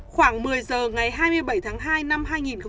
khoảng một mươi giờ ngày hai mươi bảy tháng hai năm hai nghìn một mươi một